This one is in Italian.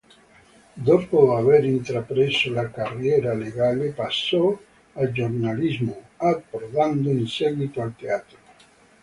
Dopo aver intrapreso la carriera legale, passò al giornalismo, approdando in seguito al teatro.